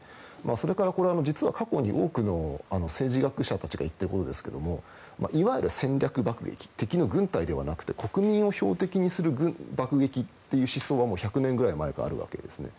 それから実は過去に多くの政治学者たちが言っていることですけどもいわゆる戦略爆撃敵の軍隊ではなくて国民を標的にする爆撃という思想はもう１００年ぐらい前からあるわけですね。